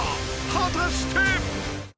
果たして］